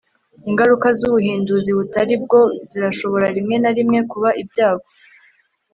ingaruka zubuhinduzi butari bwo zirashobora rimwe na rimwe kuba ibyago